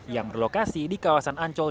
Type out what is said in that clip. yang berlokasi di kawasan ancol